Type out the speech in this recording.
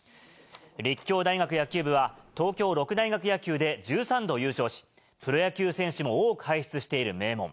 立教大学野球部は、東京六大学野球で１３度優勝し、プロ野球選手も多く輩出している名門。